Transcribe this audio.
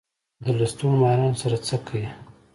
د لستوڼو مارانو سره څه کئ.